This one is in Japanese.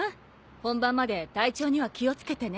本番まで体調には気を付けてね。